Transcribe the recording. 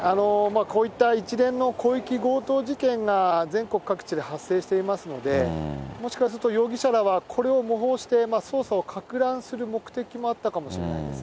こういった一連の広域強盗事件が全国各地で発生していますので、もしかすると容疑者らはこれを模倣して、捜査をかく乱する目的もあったかもしれないです。